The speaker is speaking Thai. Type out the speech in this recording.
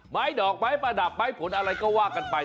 ดอกไม้ประดับไม้ผลอะไรก็ว่ากันไป